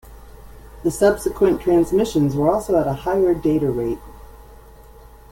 The subsequent transmissions were also at a higher data rate.